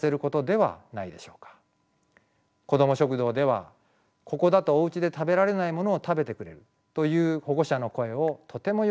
こども食堂では「ここだとおうちで食べられないものを食べてくれる」という保護者の声をとてもよく聞きます。